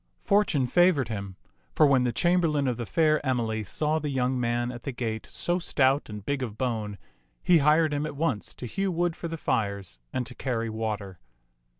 Fortune favored him, for when the chamberlain of the fair Emily saw the young man at the gate so stout and big of bone, he hired him at once to hew wood for the fires and to carry water.